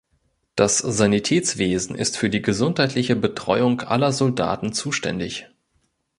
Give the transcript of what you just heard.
Das Sanitätswesen ist für die gesundheitliche Betreuung aller Soldaten zuständig.